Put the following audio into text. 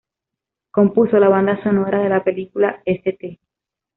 Compuso la banda sonora de la película "St.